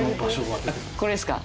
あっこれですか？